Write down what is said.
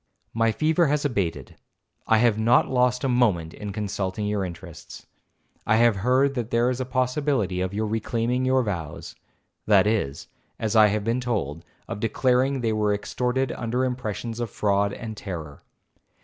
'My fever has abated—I have not lost a moment in consulting your interests—I have heard that there is a possibility of your reclaiming your vows—that is, as I have been told, of declaring they were extorted under impressions of fraud and terror.